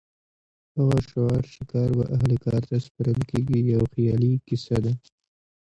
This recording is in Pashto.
هغه شعار چې کار به اهل کار ته سپارل کېږي یو خیالي کیسه ده.